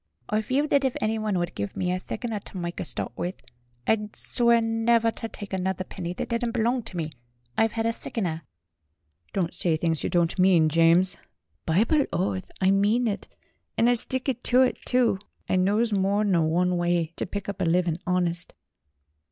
"I feel thet if anyone wud give me a thick 'un ter mike a stawt with, I'd swear never ter tike another penny that didn't belong ter me. I've 'ad a sickener." "Don't say things you don't mean, James." ' "Bible oath, I mean it, and 'ud stick ter it, too! I knows more nor one way ter pick up a living honist."